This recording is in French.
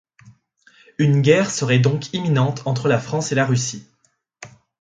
Une guerre serait donc imminente entre la France et la Russie.